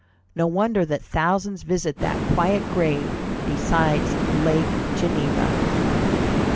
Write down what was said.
No wonder that thousands visit that quiet grave beside Lake Geneva.